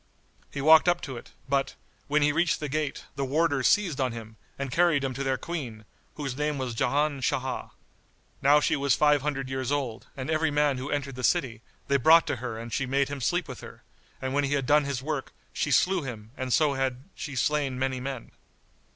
He walked up to it; but, when he reached the gate, the warders seized on him, and carried him to their Queen, whose name was Ján Sháh.[FN#72] Now she was five hundred years old, and every man who entered the city, they brought to her and she made him sleep with her, and when he had done his work, she slew him and so had she slain many men.